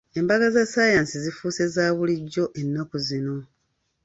Embaga za ssaayansi zifuuse za bulijjo ennaku zino.